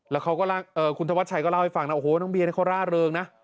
แล้วเขาก็คุณธวัชชัยก็เล่าให้ฟังนะโอ้โหน้องเบียนี่เขาร่าเริงนะ